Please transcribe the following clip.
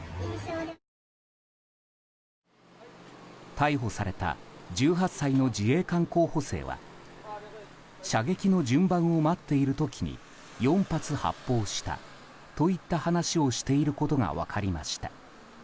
逮捕された１８歳の自衛官候補生は射撃の順番を待っている時に４発、発砲したといった話をしていることが分かりました。